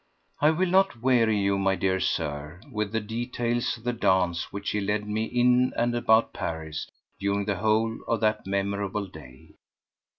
I will not weary you, my dear Sir, with the details of the dance which he led me in and about Paris during the whole of that memorable day.